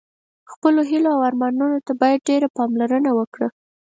خپلو هیلو او ارمانونو ته باید ډېره پاملرنه وکړه.